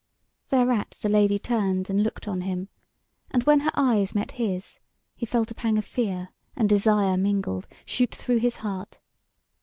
Thereat the Lady turned and looked on him, and when her eyes met his, he felt a pang of fear and desire mingled shoot through his heart.